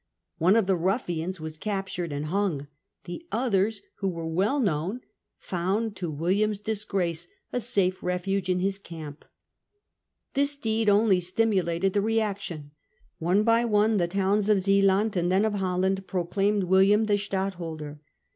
One of the ruffians was captured and hung; the others, who were well known, found, to William's disgrace, a safe refuge in his camp. This deed only stimulated the reaction. One by one the towns of Zealand, and then of Holland, proclaimed William their Stadtholder.